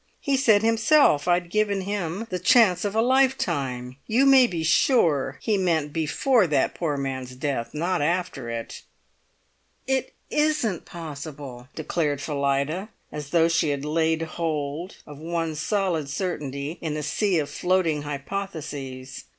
He said himself I'd given him the chance of a lifetime. You may be sure he meant before that poor man's death, not after it." "It isn't possible," declared Phillida, as though she had laid hold of one solid certainty in a sea of floating hypotheses.